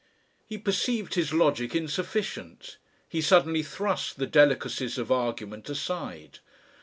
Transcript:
He perceived his logic insufficient. He suddenly thrust the delicacies of argument aside.